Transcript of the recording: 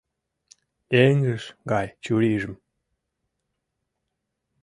Эҥыж гай чурийжым